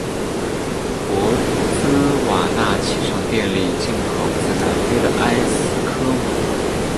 博茨瓦纳七成电力进口自南非的埃斯科姆。